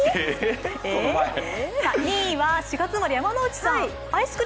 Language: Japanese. ２位は４月生まれ、山内さん。